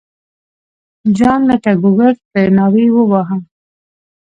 جان لکه ګوګرد پرې ناوی وواهه.